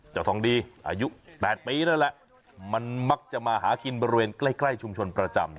ทองดีอายุ๘ปีนั่นแหละมันมักจะมาหากินบริเวณใกล้ชุมชนประจำ